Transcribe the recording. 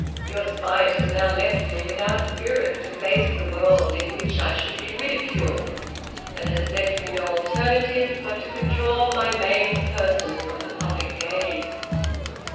Your spite has now left me without spirit to face the world in which I should be ridiculed, and has left me no alternative but to withdraw my maimed person from the public gaze!'